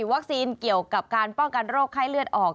เกี่ยวกับการป้องกันโรคไข้เลือดออก